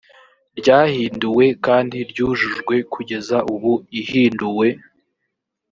ryahinduwe kandi ryujujwe kugeza ubu ihinduwe